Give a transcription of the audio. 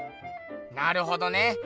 なるほどね。